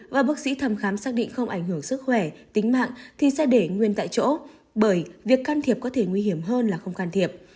và bác sĩ thăm khám xác định không ảnh hưởng sức khỏe tính mạng thì sẽ để nguyên tại chỗ bởi việc can thiệp có thể nguy hiểm hơn là không can thiệp